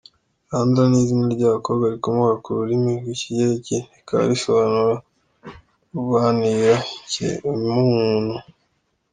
Sandra ni izina ry’abakobwa rikomoka ku rurimi rw’Ikigereki rikaba risobanura “Urwanirira ikiremwamuntu”.